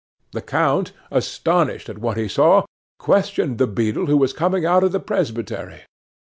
The count, astonished at what he saw, questioned the beadle who was coming out of the presbytery.